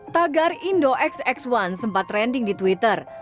tagar indo xx satu sempat trending di twitter